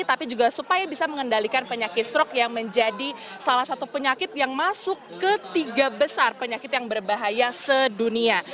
tapi juga supaya bisa mengendalikan penyakit stroke yang menjadi salah satu penyakit yang masuk ke tiga besar penyakit yang berbahaya sedunia